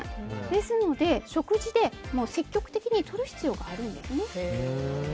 ですので食事で積極的にとる必要があるんですね。